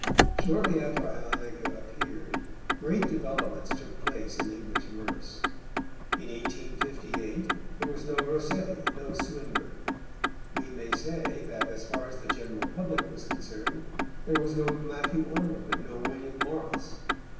Shortly after Ionica appeared great developments took place in English verse. In 1858 there was no Rossetti, no Swinburne; we may say that, as far as the general public was concerned, there was no Matthew Arnold and no William Morris.